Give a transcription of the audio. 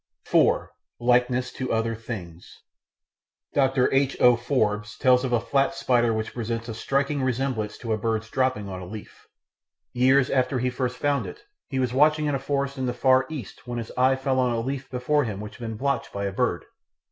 § 4 Likeness to Other Things Dr. H. O. Forbes tells of a flat spider which presents a striking resemblance to a bird's dropping on a leaf. Years after he first found it he was watching in a forest in the Far East when his eye fell on a leaf before him which had been blotched by a bird.